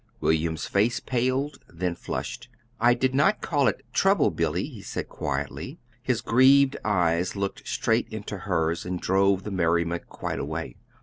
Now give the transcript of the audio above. William's face paled, then flushed. "I did not call it 'trouble,' Billy," he said quietly. His grieved eyes looked straight into hers and drove the merriment quite away.